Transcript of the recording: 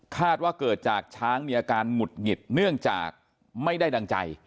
ว่าเกิดจากช้างมีอาการหงุดหงิดเนื่องจากไม่ได้ดังใจ